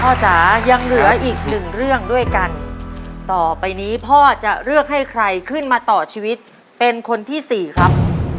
จ๋ายังเหลืออีกหนึ่งเรื่องด้วยกันต่อไปนี้พ่อจะเลือกให้ใครขึ้นมาต่อชีวิตเป็นคนที่สี่ครับ